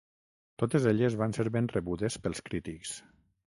Totes elles van ser ben rebudes pels crítics.